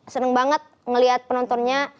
seneng banget ngeliat penontonnya